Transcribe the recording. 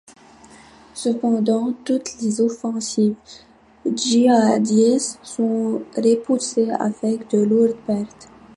Cependant toutes les offensives djihadistes sont repoussées avec de lourdes pertes.